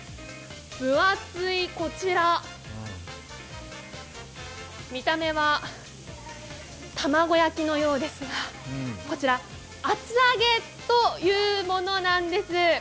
分厚いこちら、見た目は卵焼きのようですが、こちら厚揚げというものなんです。